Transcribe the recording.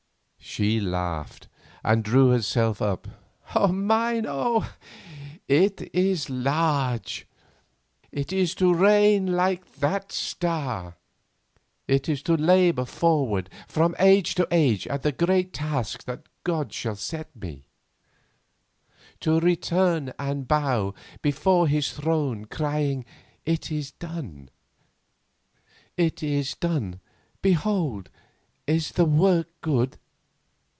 She laughed, and drew herself up. "Mine, oh! it is large. It is to reign like that star. It is to labour forward from age to age at the great tasks that God shall set me; to return and bow before His throne crying, 'It is done. Behold, is the work good?